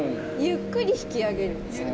ゆっくり引き上げるんですよね。